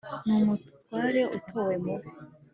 n'umutware utowe mu be